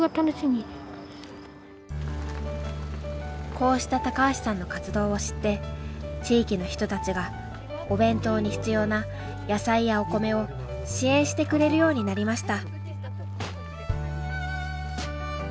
こうした高橋さんの活動を知って地域の人たちがお弁当に必要な野菜やお米を支援してくれるようになりました。